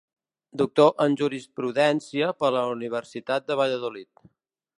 Doctor en Jurisprudència per la Universitat de Valladolid.